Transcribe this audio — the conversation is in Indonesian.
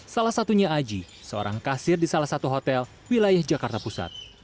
salah satunya aji seorang kasir di salah satu hotel wilayah jakarta pusat